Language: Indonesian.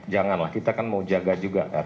jangan lah kita kan mau jaga juga